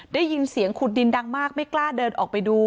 ได้ยินเสียงขุดดินดังมากไม่กล้าเดินออกไปดู